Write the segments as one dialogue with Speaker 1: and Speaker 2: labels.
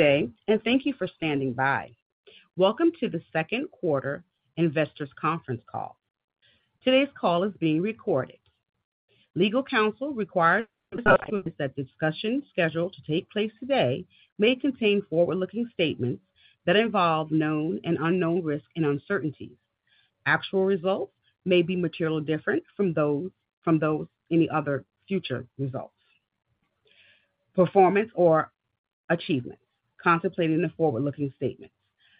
Speaker 1: Good day. Thank you for standing by. Welcome to The Second Quarter Investors Conference Call. Today's call is being recorded. Legal counsel requires that discussions scheduled to take place today may contain forward-looking statements that involve known and unknown risks and uncertainties. Actual results may be materially different from those any other future results. Performance or achievement contemplating the forward-looking statements.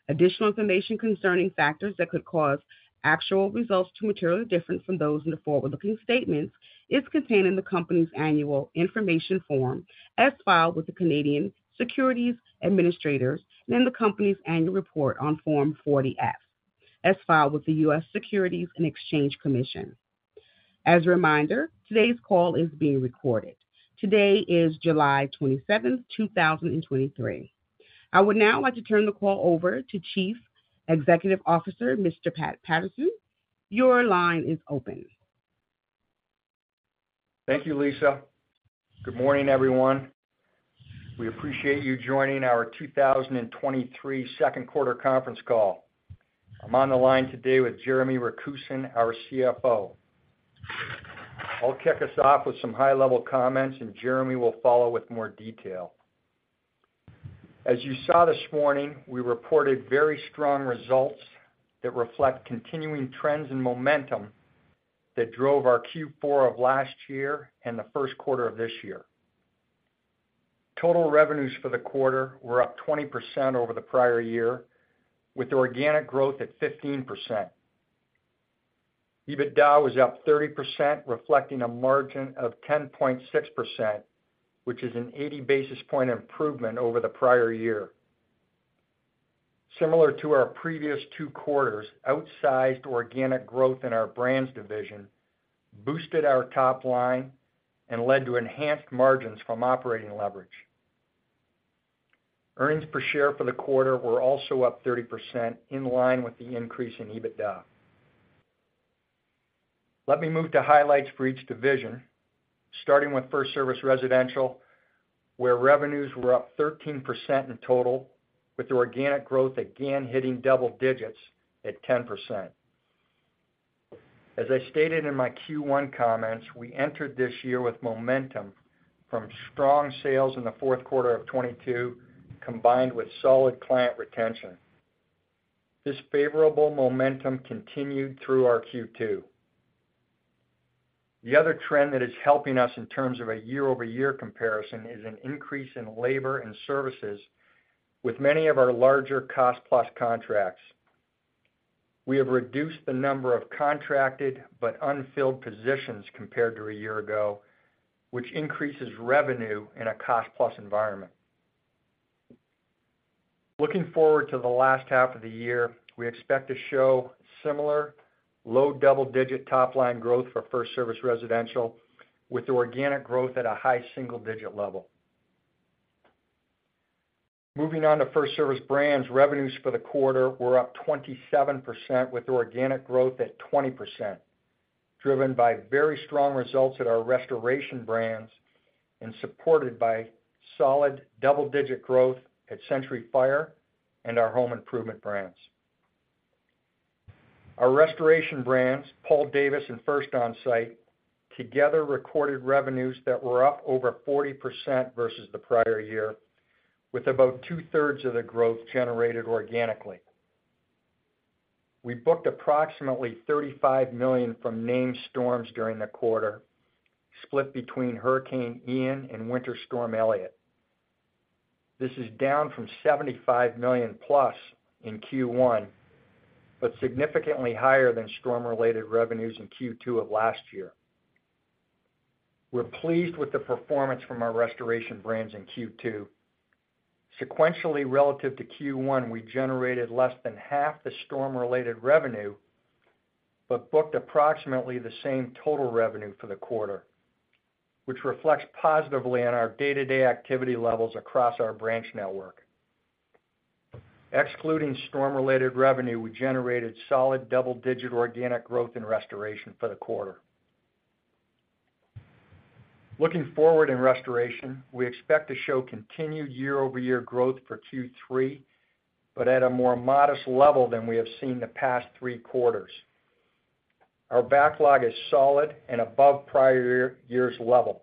Speaker 1: Additional information concerning factors that could cause actual results to materially different from those in the forward-looking statements is contained in the company's Annual Information Form as filed with the Canadian Securities Administrators and in the company's annual report on Form 40-F, as filed with the U.S. Securities and Exchange Commission. As a reminder, today's call is being recorded. Today is July 27, 2023. I would now like to turn the call over to Chief Executive Officer, Mr. Scott Patterson. Your line is open.
Speaker 2: Thank you, Lisa. Good morning, everyone. We appreciate you joining our 2023 second quarter conference call. I'm on the line today with Jeremy Rakusin, our CFO. I'll kick us off with some high-level comments, and Jeremy will follow with more detail. As you saw this morning, we reported very strong results that reflect continuing trends and momentum that drove our Q4 of last year and the first quarter of this year. Total revenues for the quarter were up 20% over the prior year, with organic growth at 15%. EBITDA was up 30%, reflecting a margin of 10.6%, which is an 80 basis point improvement over the prior year. Similar to our previous two quarters, outsized organic growth in our brands division boosted our top line and led to enhanced margins from operating leverage. Earnings per share for the quarter were also up 30%, in line with the increase in EBITDA. Let me move to highlights for each division, starting with FirstService Residential, where revenues were up 13% in total, with organic growth again hitting double digits at 10%. As I stated in my Q1 comments, we entered this year with momentum from strong sales in the fourth quarter of 2022, combined with solid client retention. This favorable momentum continued through our Q2. The other trend that is helping us in terms of a year-over-year comparison is an increase in labor and services with many of our larger cost-plus contracts. We have reduced the number of contracted but unfilled positions compared to a year ago, which increases revenue in a cost-plus environment. Looking forward to the last half of the year, we expect to show similar low double-digit top-line growth for FirstService Residential, with organic growth at a high single-digit level. Moving on to FirstService Brands, revenues for the quarter were up 27%, with organic growth at 20%, driven by very strong results at our restoration brands and supported by solid double-digit growth at Century Fire and our home improvement brands. Our restoration brands, Paul Davis and First Onsite, together recorded revenues that were up over 40% versus the prior year, with about two-thirds of the growth generated organically. We booked approximately $35 million from named storms during the quarter, split between Hurricane Ian and Winter Storm Elliott. This is down from $75 million+ in Q1, but significantly higher than storm-related revenues in Q2 of last year. We're pleased with the performance from our restoration brands in Q2. Sequentially, relative to Q1, we generated less than half the storm-related revenue, but booked approximately the same total revenue for the quarter, which reflects positively on our day-to-day activity levels across our branch network. Excluding storm-related revenue, we generated solid double-digit organic growth in restoration for the quarter. Looking forward in restoration, we expect to show continued year-over-year growth for Q3, but at a more modest level than we have seen the past 3 quarters. Our backlog is solid and above prior year's level.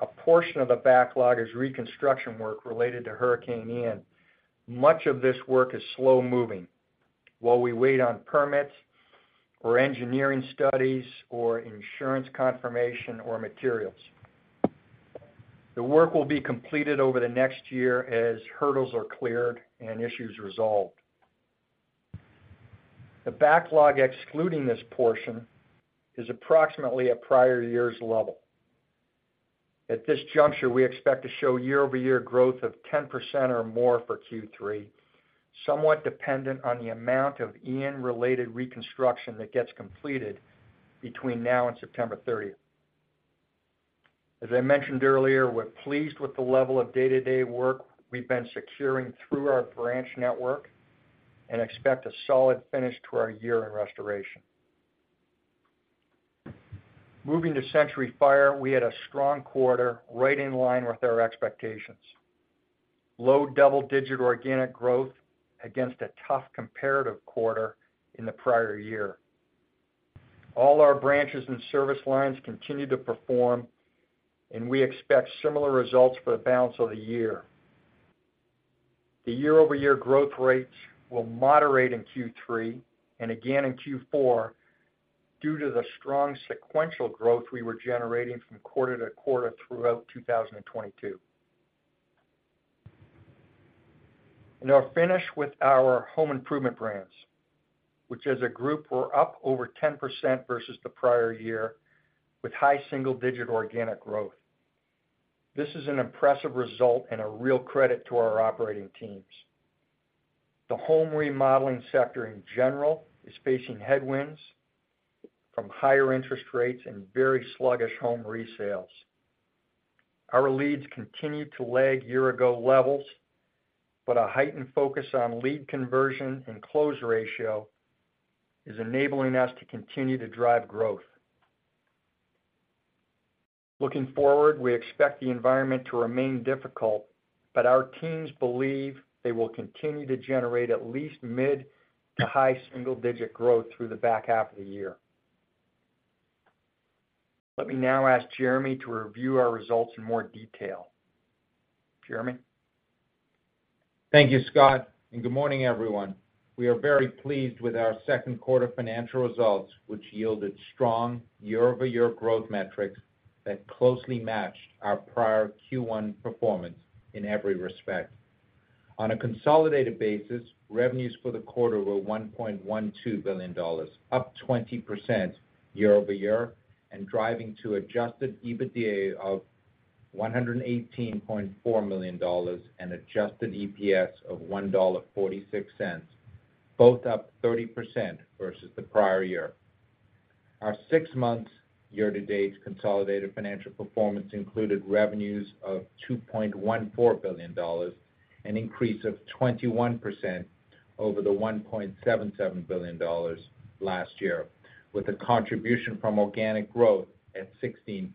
Speaker 2: A portion of the backlog is reconstruction work related to Hurricane Ian. Much of this work is slow-moving, while we wait on permits or engineering studies, or insurance confirmation, or materials. The work will be completed over the next year as hurdles are cleared and issues resolved. The backlog, excluding this portion, is approximately at prior year's level. At this juncture, we expect to show year-over-year growth of 10% or more for Q3, somewhat dependent on the amount of Ian-related reconstruction that gets completed between now and September 30th. As I mentioned earlier, we're pleased with the level of day-to-day work we've been securing through our branch network and expect a solid finish to our year in restoration. Moving to Century Fire, we had a strong quarter, right in line with our expectations. Low double-digit organic growth against a tough comparative quarter in the prior year. All our branches and service lines continue to perform, and we expect similar results for the balance of the year. The year-over-year growth rates will moderate in Q3 and again in Q4, due to the strong sequential growth we were generating from quarter-to-quarter throughout 2022. I'll finish with our home improvement brands, which as a group, were up over 10% versus the prior year, with high single-digit organic growth. This is an impressive result and a real credit to our operating teams. The home remodeling sector in general is facing headwinds from higher interest rates and very sluggish home resales. Our leads continue to lag year-ago levels, but a heightened focus on lead conversion and close ratio is enabling us to continue to drive growth. Looking forward, we expect the environment to remain difficult, but our teams believe they will continue to generate at least mid to high single-digit growth through the back half of the year. Let me now ask Jeremy to review our results in more detail. Jeremy?
Speaker 3: Thank you, Scott, and good morning, everyone. We are very pleased with our second quarter financial results, which yielded strong year-over-year growth metrics that closely matched our prior Q1 performance in every respect. On a consolidated basis, revenues for the quarter were $1.12 billion, up 20% year-over-year, and driving to adjusted EBITDA of $118.4 million and adjusted EPS of $1.46, both up 30% versus the prior year. Our six months year-to-date consolidated financial performance included revenues of $2.14 billion, an increase of 21% over the $1.77 billion last year, with a contribution from organic growth at 16%.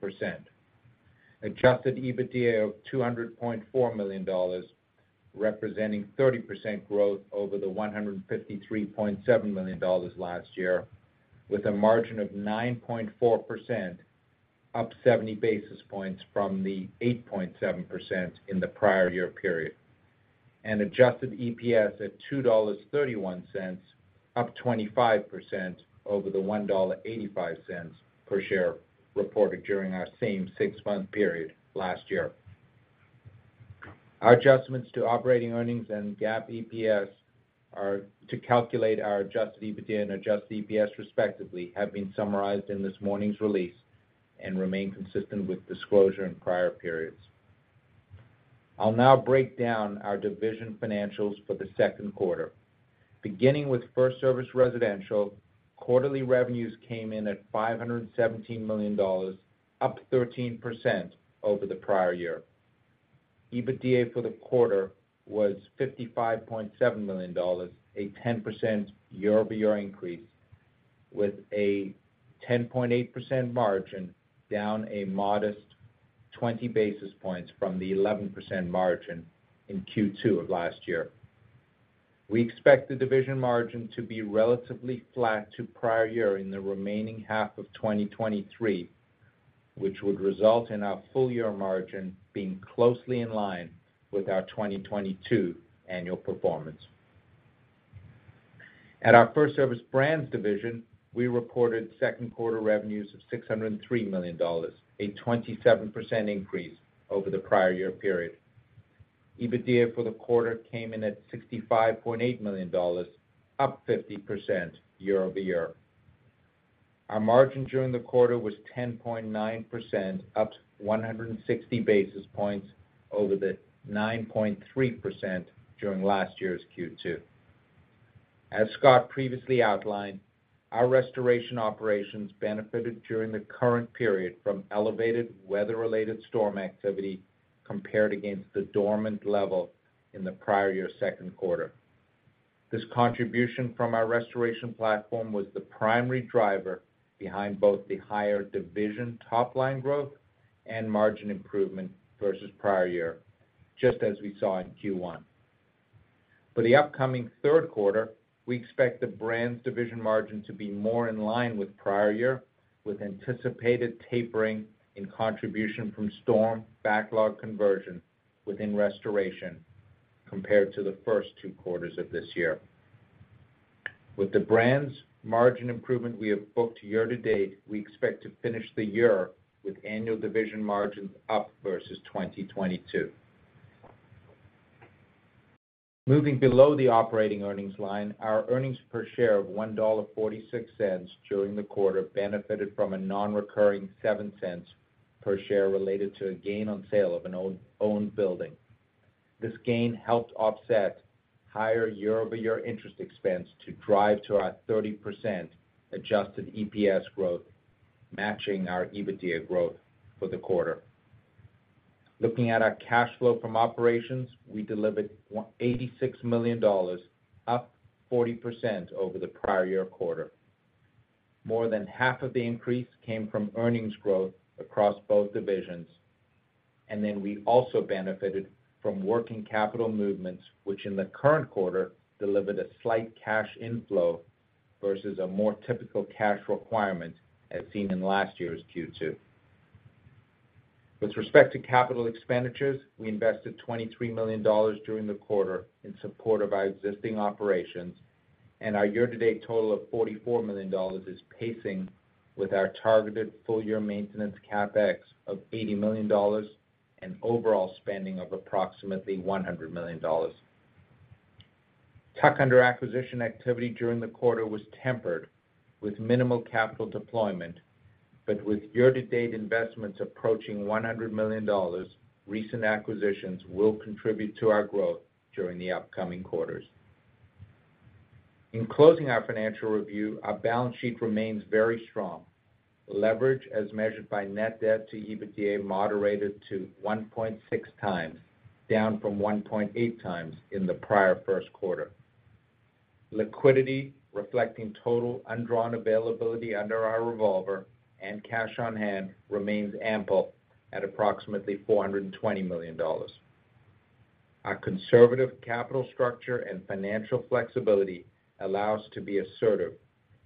Speaker 3: Adjusted EBITDA of $200.4 million, representing 30% growth over the $153.7 million last year, with a margin of 9.4%, up 70 basis points from the 8.7% in the prior year period, and adjusted EPS at $2.31, up 25% over the $1.85 per share reported during our same six-month period last year. Our adjustments to operating earnings and GAAP EPS are to calculate our adjusted EBITDA and adjusted EPS, respectively, have been summarized in this morning's release and remain consistent with disclosure in prior periods. I'll now break down our division financials for the second quarter. Beginning with FirstService Residential, quarterly revenues came in at $517 million, up 13% over the prior year. EBITDA for the quarter was $55.7 million, a 10% year-over-year increase, with a 10.8% margin, down a modest 20 basis points from the 11% margin in Q2 of last year. We expect the division margin to be relatively flat to prior year in the remaining half of 2023, which would result in our full year margin being closely in line with our 2022 annual performance. At our FirstService Brands division, we reported second quarter revenues of $603 million, a 27% increase over the prior year period. EBITDA for the quarter came in at $65.8 million, up 50% year-over-year. Our margin during the quarter was 10.9%, up 160 basis points over the 9.3% during last year's Q2. As Scott previously outlined, our restoration operations benefited during the current period from elevated weather-related storm activity compared against the dormant level in the prior year's second quarter. This contribution from our restoration platform was the primary driver behind both the higher division top line growth and margin improvement versus prior year, just as we saw in Q1. For the upcoming third quarter, we expect the brands division margin to be more in line with prior year, with anticipated tapering in contribution from storm backlog conversion within restoration compared to the first two quarters of this year. With the brands margin improvement we have booked year to date, we expect to finish the year with annual division margins up versus 2022. Moving below the operating earnings line, our earnings per share of $1.46 during the quarter benefited from a non-recurring $0.07 per share related to a gain on sale of an owned building. This gain helped offset higher year-over-year interest expense to drive to our 30% adjusted EPS growth, matching our EBITDA growth for the quarter. Looking at our cash flow from operations, we delivered $186 million, up 40% over the prior year quarter. More than half of the increase came from earnings growth across both divisions, and then we also benefited from working capital movements, which in the current quarter, delivered a slight cash inflow versus a more typical cash requirement, as seen in last year's Q2. With respect to capital expenditures, we invested $23 million during the quarter in support of our existing operations. Our year-to-date total of $44 million is pacing with our targeted full-year maintenance CapEx of $80 million and overall spending of approximately $100 million. Tuck-under acquisition activity during the quarter was tempered with minimal capital deployment, but with year-to-date investments approaching $100 million, recent acquisitions will contribute to our growth during the upcoming quarters. In closing our financial review, our balance sheet remains very strong. Leverage, as measured by net debt to EBITDA, moderated to 1.6x, down from 1.8x in the prior first quarter. Liquidity, reflecting total undrawn availability under our revolver and cash on hand, remains ample at approximately $420 million. Our conservative capital structure and financial flexibility allow us to be assertive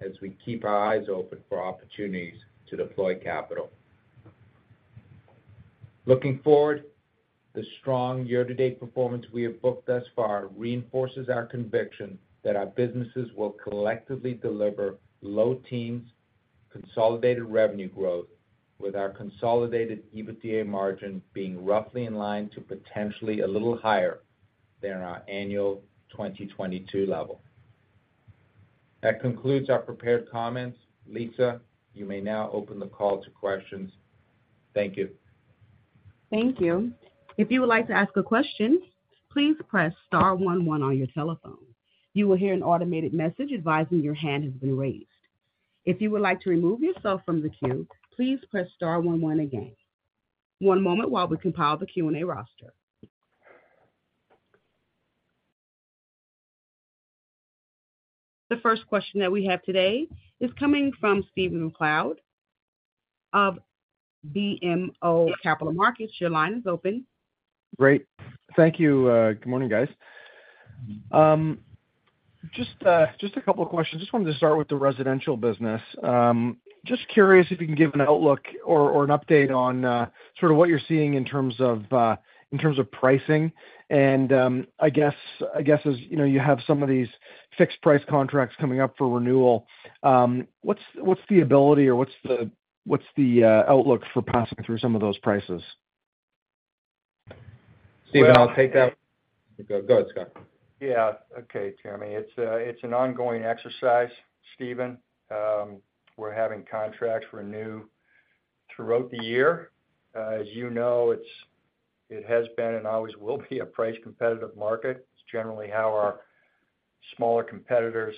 Speaker 3: as we keep our eyes open for opportunities to deploy capital. Looking forward, the strong year-to-date performance we have booked thus far reinforces our conviction that our businesses will collectively deliver low teens consolidated revenue growth, with our consolidated EBITDA margin being roughly in line to potentially a little higher than our annual 2022 level. That concludes our prepared comments. Lisa, you may now open the call to questions. Thank you.
Speaker 1: Thank you. If you would like to ask a question, please press star one one on your telephone. You will hear an automated message advising your hand has been raised. If you would like to remove yourself from the queue, please press star one one again. One moment while we compile the Q&A roster. The first question that we have today is coming from Stephen MacLeod of BMO Capital Markets. Your line is open.
Speaker 4: Great. Thank you. Good morning, guys. Just a couple of questions. Just wanted to start with the residential business. Just curious if you can give an outlook or an update on, sort of what you're seeing in terms of, in terms of pricing. I guess as, you know, you have some of these fixed-price contracts coming up for renewal, what's the ability or what's the outlook for passing through some of those prices?
Speaker 3: Stephen, I'll take that. Go, go ahead, Scott.
Speaker 2: Yeah. Okay, Jeremy. It's an ongoing exercise, Steven. We're having contracts renew throughout the year. As you know, it has been and always will be a price-competitive market. It's generally how our smaller competitors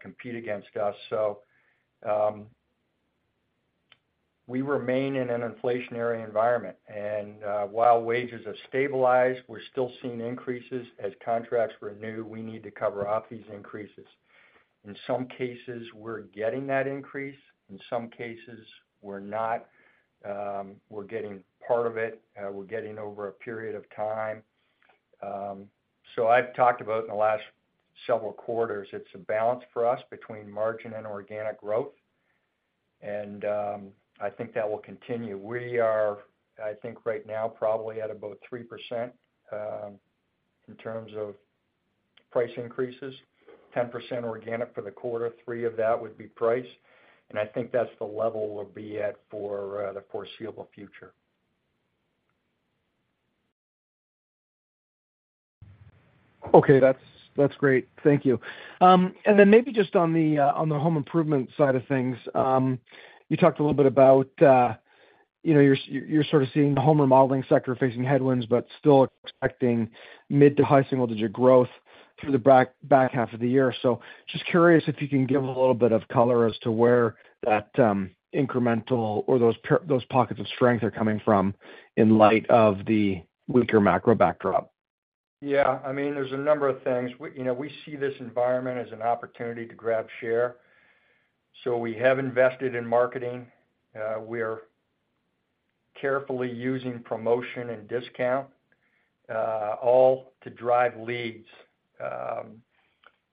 Speaker 2: compete against us. We remain in an inflationary environment, and while wages are stabilized, we're still seeing increases. As contracts renew, we need to cover up these increases. In some cases, we're getting that increase. In some cases, we're not. We're getting part of it. We're getting over a period of time. I've talked about in the last several quarters, it's a balance for us between margin and organic growth, and I think that will continue. We are, I think right now, probably at about 3%, in terms of price increases, 10% organic for the quarter. Three of that would be price, and I think that's the level we'll be at for the foreseeable future.
Speaker 4: Okay, that's, that's great. Thank you. Maybe just on the on the home improvement side of things. You talked a little bit about, you know, you're, you're sort of seeing the home remodeling sector facing headwinds, but still expecting mid to high single-digit % growth through the back half of the year. Just curious if you can give a little bit of color as to where that incremental or those pockets of strength are coming from in light of the weaker macro backdrop.
Speaker 2: I mean, there's a number of things. We, you know, we see this environment as an opportunity to grab share. We have invested in marketing. We're carefully using promotion and discount, all to drive leads.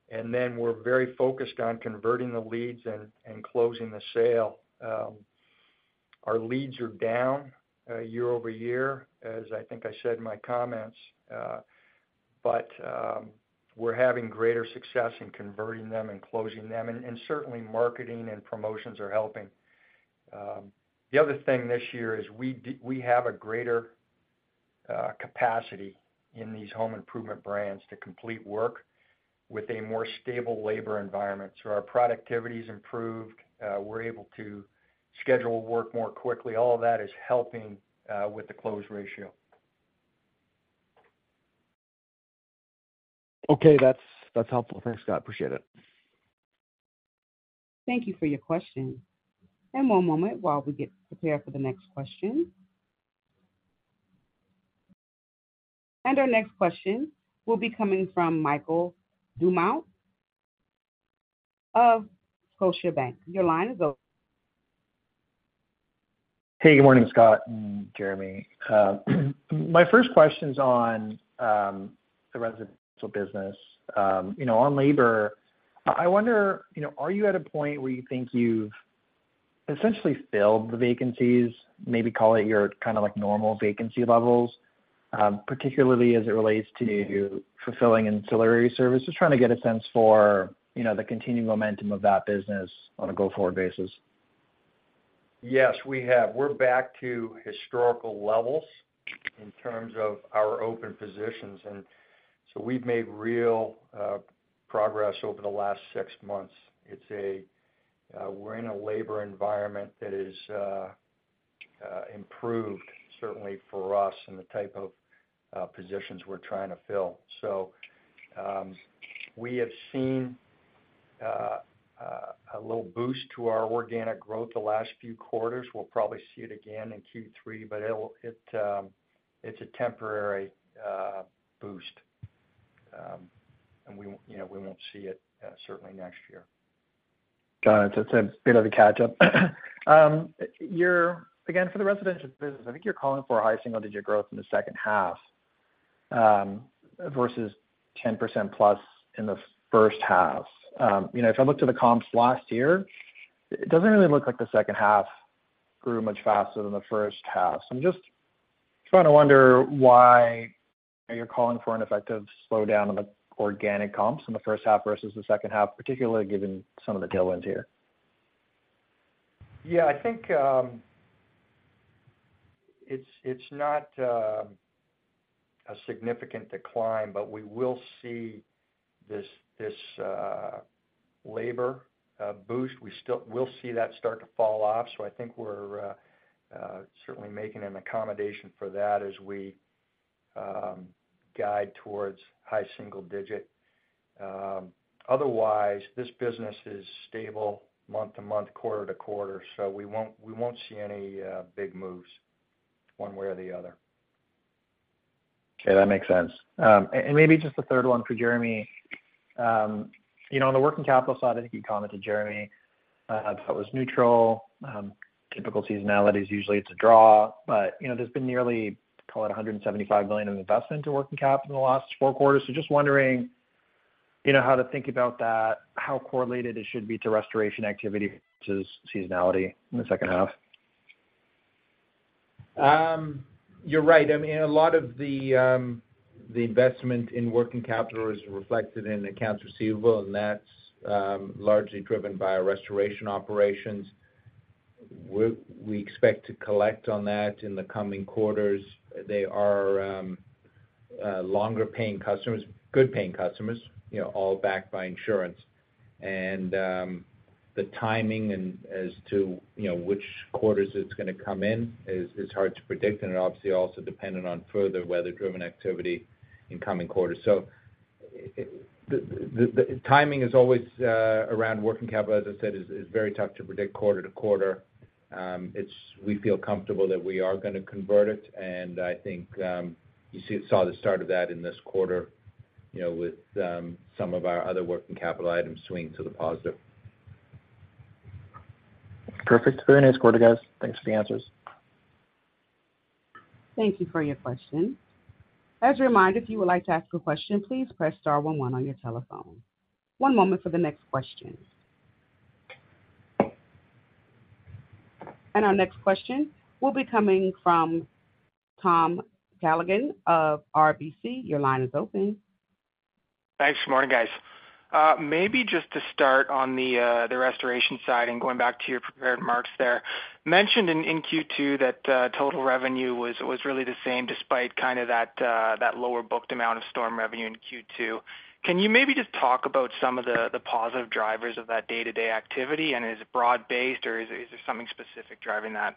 Speaker 2: We're very focused on converting the leads and closing the sale. Our leads are down year-over-year, as I think I said in my comments, but we're having greater success in converting them and closing them, and certainly marketing and promotions are helping. The other thing this year is we have a greater capacity in these home improvement brands to complete work with a more stable labor environment. Our productivity's improved, we're able to schedule work more quickly. All of that is helping with the close ratio.
Speaker 4: Okay, that's helpful. Thanks, Scott. Appreciate it.
Speaker 1: Thank you for your question. One moment while we get prepared for the next question. Our next question will be coming from Michael Doumet of Kosher Bank. Your line is open.
Speaker 5: Hey, good morning, Scott and Jeremy. My first question's on the residential business. You know, on labor, I wonder, you know, are you at a point where you think you've essentially filled the vacancies, maybe call it your kind of like normal vacancy levels, particularly as it relates to fulfilling ancillary services? Trying to get a sense for, you know, the continuing momentum of that business on a go-forward basis.
Speaker 2: Yes, we have. We're back to historical levels in terms of our open positions. We've made real progress over the last six months. It's a, we're in a labor environment that is improved, certainly for us, and the type of positions we're trying to fill. We have seen a little boost to our organic growth the last few quarters. We'll probably see it again in Q3, but it's a temporary boost. We, you know, we won't see it certainly next year.
Speaker 5: Got it. A bit of a catch-up. Again, for the residential business, I think you're calling for high single-digit growth in the second half, versus 10% plus in the first half. You know, if I look to the comps last year, it doesn't really look like the second half grew much faster than the first half. I'm just trying to wonder why you're calling for an effective slowdown in the organic comps in the first half versus the second half, particularly given some of the tailwinds here.
Speaker 2: Yeah, I think, it's not a significant decline, but we will see this labor boost. We'll see that start to fall off. I think we're certainly making an accommodation for that as we guide towards high single digit. Otherwise, this business is stable month to month, quarter to quarter, we won't see any big moves one way or the other.
Speaker 5: Okay, that makes sense. Maybe just the third one for Jeremy. You know, on the working capital side, I think you commented, Jeremy, that was neutral. Typical seasonality is usually it's a draw, but, you know, there's been nearly, call it, $175 million in investment to working capital in the last four quarters. Just wondering, you know, how to think about that, how correlated it should be to restoration activity to seasonality in the second half.
Speaker 3: You're right. I mean, a lot of the investment in working capital is reflected in accounts receivable, and that's largely driven by our restoration operations. We expect to collect on that in the coming quarters. They are longer paying customers, good paying customers, you know, all backed by insurance. The timing and as to, you know, which quarters it's going to come in is hard to predict, and obviously, also dependent on further weather-driven activity in coming quarters. The timing is always around working capital, as I said, is very tough to predict quarter to quarter. We feel comfortable that we are going to convert it, and I think, you see, saw the start of that in this quarter, you know, with some of our other working capital items swinging to the positive.
Speaker 5: Perfect. Very nice quarter, guys. Thanks for the answers.
Speaker 1: Thank you for your question. As a reminder, if you would like to ask a question, please press star one one on your telephone. One moment for the next question. Our next question will be coming from Tom Callaghan of RBC. Your line is open.
Speaker 6: Thanks. Good morning, guys. Maybe just to start on the restoration side and going back to your prepared remarks there, mentioned in Q2 that total revenue was really the same, despite kind of that lower booked amount of storm revenue in Q2. Can you maybe just talk about some of the positive drivers of that day-to-day activity, and is it broad-based, or is there something specific driving that?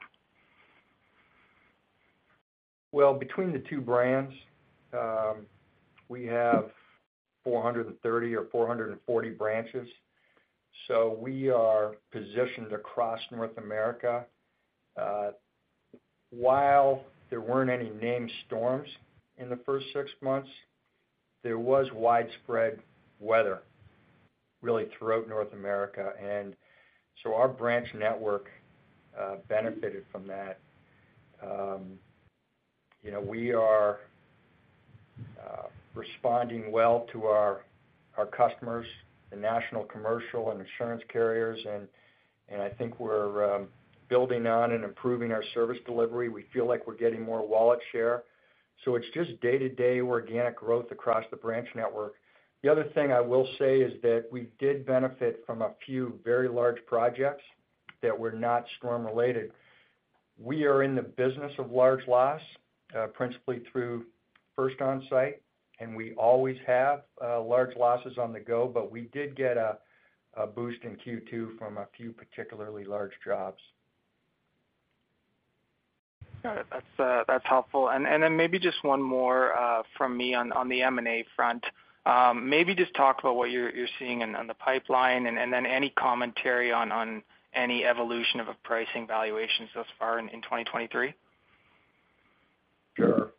Speaker 2: Well, between the two brands, we have 430 or 440 branches, so we are positioned across North America. While there weren't any named storms in the first six months, there was widespread weather really throughout North America, and so our branch network benefited from that. You know, we are responding well to our customers, the national, commercial, and insurance carriers, and I think we're building on and improving our service delivery. We feel like we're getting more wallet share, so it's just day-to-day organic growth across the branch network. The other thing I will say is that we did benefit from a few very large projects that were not storm related. We are in the business of large loss, principally through First Onsite, and we always have, large losses on the go, but we did get a boost in Q2 from a few particularly large jobs.
Speaker 6: Got it. That's that's helpful. Then maybe just one more from me on the M&A front. Maybe just talk about what you're seeing on the pipeline, then any commentary on any evolution of a pricing valuation so far in 2023?
Speaker 2: Sure.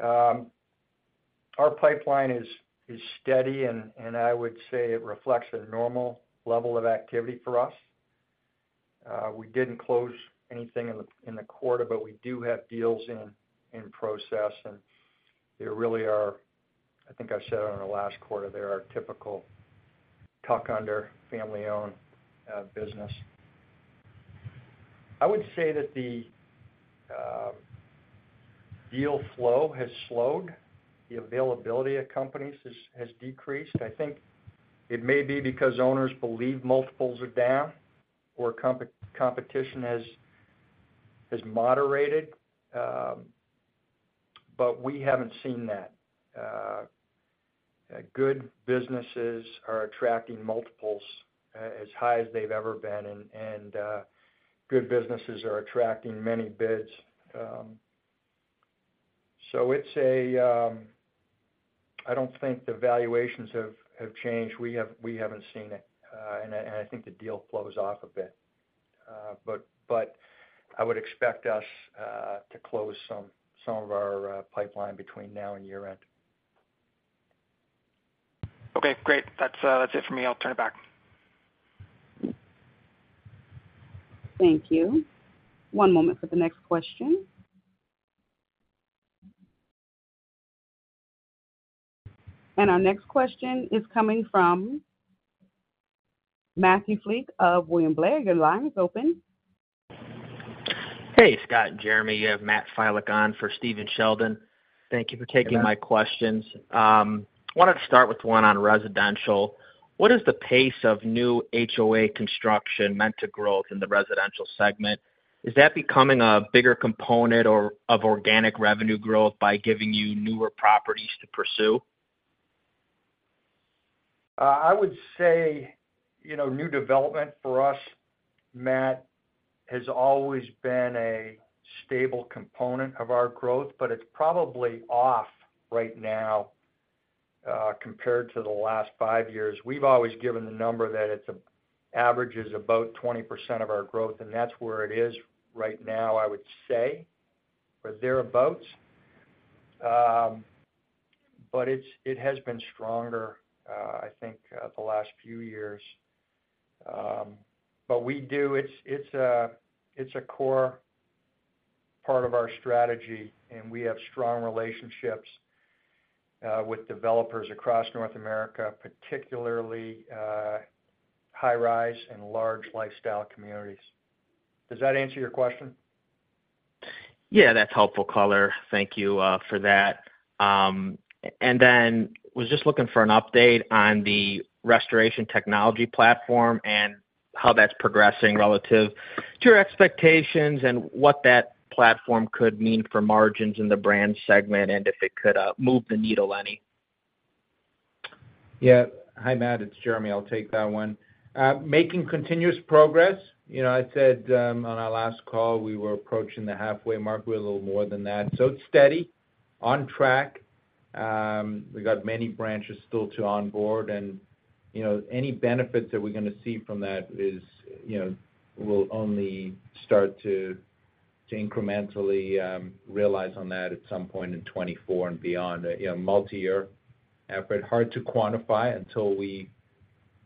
Speaker 2: Our pipeline is steady, and I would say it reflects a normal level of activity for us. We didn't close anything in the quarter, but we do have deals in process, and they really are I think I said it on our last quarter, they're our typical tuck-under, family-owned business. I would say that the deal flow has slowed. The availability of companies has decreased. I think it may be because owners believe multiples are down or competition has moderated, but we haven't seen that. Good businesses are attracting multiples as high as they've ever been, and good businesses are attracting many bids. I don't think the valuations have changed. We haven't seen it, I think the deal flows off a bit. I would expect us to close some of our pipeline between now and year-end.
Speaker 6: Okay, great. That's it for me. I'll turn it back.
Speaker 1: Thank you. One moment for the next question. Our next question is coming from Matthew Filek of William Blair. Your line is open.
Speaker 7: Hey, Scott and Jeremy, you have Matt Filek on for Stephen Sheldon.
Speaker 2: Hey, Matt.
Speaker 7: Thank you for taking my questions. wanted to start with one on residential. What is the pace of new HOA construction meant to growth in the residential segment? Is that becoming a bigger component or of organic revenue growth by giving you newer properties to pursue?
Speaker 2: I would say, you know, new development for us, Matt, has always been a stable component of our growth, but it's probably off right now, compared to the last five years. We've always given the number that it averages about 20% of our growth, and that's where it is right now, I would say. They're about, it has been stronger, I think, the last few years. It's a core part of our strategy, and we have strong relationships with developers across North America, particularly high rise and large lifestyle communities. Does that answer your question?
Speaker 7: Yeah, that's helpful color. Thank you, for that. was just looking for an update on the restoration technology platform and how that's progressing relative to your expectations and what that platform could mean for margins in the brand segment, and if it could, move the needle any?
Speaker 3: Hi, Matt, it's Jeremy. I'll take that one. Making continuous progress. You know, I said, on our last call, we were approaching the halfway mark. We're a little more than that. It's steady, on track. We've got many branches still to onboard and, you know, any benefits that we're gonna see from that is, you know, will only start to, to incrementally realize on that at some point in 2024 and beyond. You know, multiyear effort, hard to quantify until we,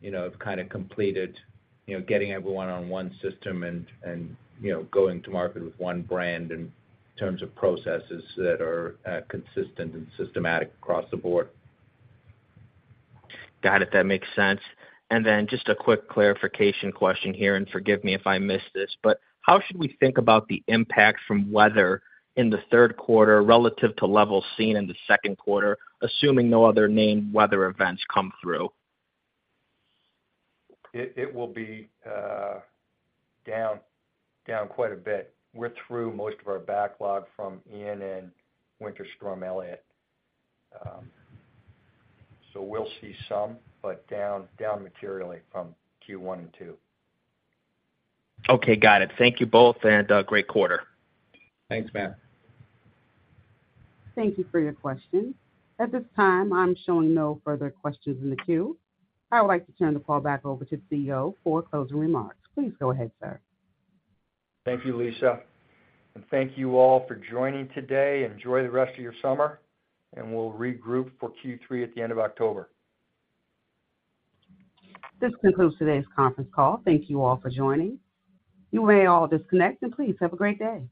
Speaker 3: you know, have kind of completed, you know, getting everyone on one system and, and, you know, going to market with one brand in terms of processes that are consistent and systematic across the board.
Speaker 7: Got it. That makes sense. Then just a quick clarification question here, and forgive me if I missed this, but how should we think about the impact from weather in the third quarter relative to levels seen in the second quarter, assuming no other named weather events come through?
Speaker 2: It will be down quite a bit. We're through most of our backlog from Ian and Winter Storm Elliott. We'll see some, but down materially from Q1 and Q2.
Speaker 7: Okay, got it. Thank you both, and great quarter.
Speaker 2: Thanks, Matt.
Speaker 1: Thank you for your question. At this time, I'm showing no further questions in the queue. I would like to turn the call back over to the CEO for closing remarks. Please go ahead, sir.
Speaker 2: Thank you, Lisa, and thank you all for joining today. Enjoy the rest of your summer, and we'll regroup for Q3 at the end of October.
Speaker 1: This concludes today's conference call. Thank you all for joining. You may all disconnect. Please have a great day.